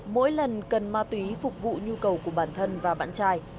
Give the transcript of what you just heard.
mỗi lần cần ma túy phục vụ nhu cầu của bản thân và bạn trai